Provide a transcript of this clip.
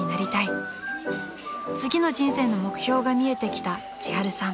［次の人生の目標が見えてきたちはるさん］